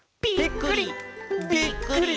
「ぴっくり！